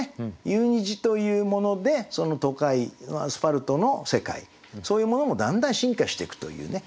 「夕虹」というものでその都会のアスファルトの世界そういうものもだんだん進化していくというね。